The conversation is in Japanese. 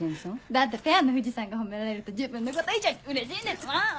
だってペアの藤さんが褒められると自分のこと以上にうれしいんですもん！